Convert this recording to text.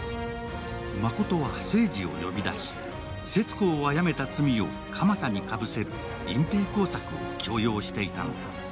誠は清二を呼び出し、勢津子を殺めた罪を鎌田にかぶせる隠蔽工作を強要していたのだ。